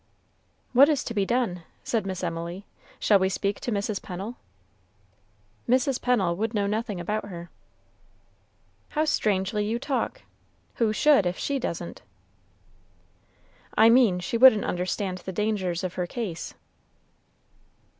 "What is to be done?" said Miss Emily; "shall we speak to Mrs. Pennel?" "Mrs. Pennel would know nothing about her." "How strangely you talk! who should, if she doesn't?" "I mean, she wouldn't understand the dangers of her case."